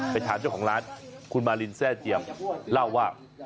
ไปถามเจ้าของร้านคุณมารินแทร่เจียมเล่าว่า